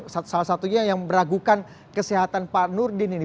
salah satunya yang meragukan kesehatan pak nurdin ini